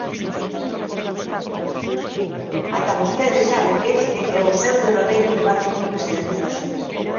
"Ata vostede sabe que este é o seu derradeiro debate como presidente da Xunta".